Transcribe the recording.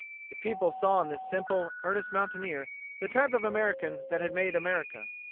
The people saw in this simple, earnest mountaineer the type of American that had made America.